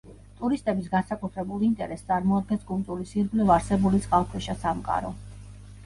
ტურისტების განსაკუთრებულ ინტერესს წარმოადგენს კუნძულის ირგვლივ არსებული წყალქვეშა სამყარო.